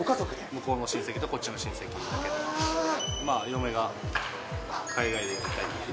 向こうの親戚とこっちの親戚だけで、まあ、嫁が海外でやりたいって。